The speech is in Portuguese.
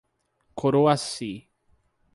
Coroaci